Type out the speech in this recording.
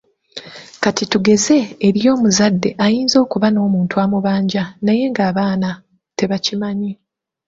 Ka tugeze eriyo omuzadde ayinza okuba n'omuntu amubanja naye nga abaana tebakimanyi.